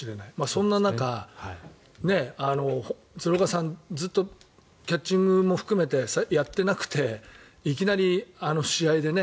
そんな中、鶴岡さんずっとキャッチングも含めてやってなくていきなり試合でね。